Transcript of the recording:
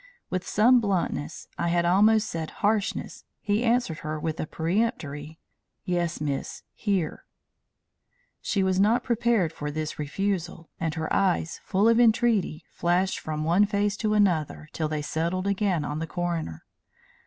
With some bluntness, I had almost said harshness, he answered her with a peremptory: "Yes, miss, here." She was not prepared for this refusal, and her eyes, full of entreaty, flashed from one face to another till they settled again on the coroner.